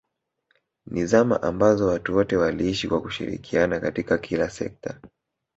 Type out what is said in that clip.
ni zama ambazo watu wote waliishi kwa kushirikiana katika kila sekta